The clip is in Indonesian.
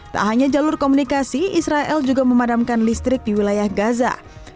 tak hanya jalur komunikasi israel juga memadamkan listrik di wilayah gaza